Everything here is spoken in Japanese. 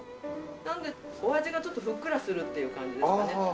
なのでお味がちょっとふっくらするっていう感じですかね。